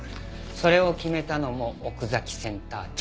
それを決めたのも奥崎センター長。